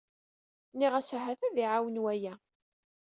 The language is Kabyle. Nniɣ-as ahat ad iɛawen waya.